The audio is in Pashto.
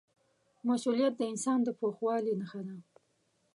مسؤلیت د انسان د پوخوالي نښه ده.